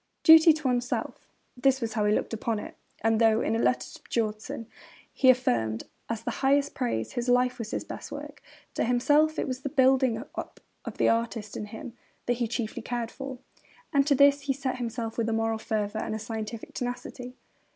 Duty to oneself: that was how he looked upon it; and though, in a letter to Björnson, he affirmed, as the highest praise, 'his life was his best work,' to himself it was the building up of the artist in him that he chiefly cared for. And to this he set himself with a moral fervour and a scientific tenacity.